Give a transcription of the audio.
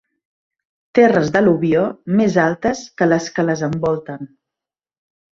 Terres d'al·luvió més altes que les que les envolten.